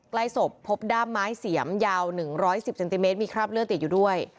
ใกล้ศพพบด้ามไม้เสียมยาว๑๑๐เซนติเมตรมีคราบเลือดติดอยู่ด้วย